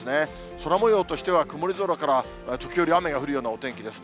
空もようとしては曇り空から、時折、雨が降るようなお天気です。